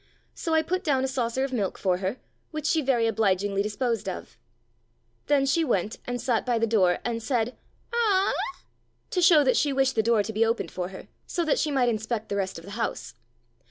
So I put down a saucer of milk for her, which she very obligingly disposed of. Then she went and sat by the door, and said"A a a a," to show that she wished the door to be opened for her, so that she might inspect the rest of the house.